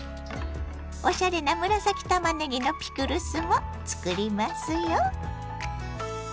おしゃれな紫たまねぎのピクルスもつくりますよ。